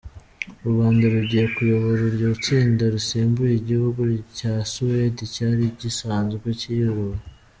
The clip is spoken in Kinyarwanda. U Rwanda rugiye kuyobora iryo tsinda rusimbuye igihugu cya Suwedi cyari gisanzwe kiriyobora.